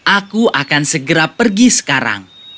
aku akan pergi sekarang